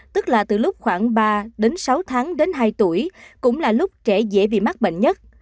tức là từ lúc khoảng ba đến sáu tháng đến hai tuổi cũng là lúc trẻ dễ bị mắc bệnh nhất